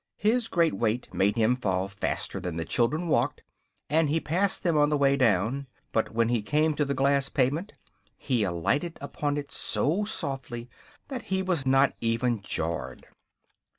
His great weight made him fall faster than the children walked, and he passed them on the way down; but when he came to the glass pavement he alighted upon it so softly that he was not even jarred.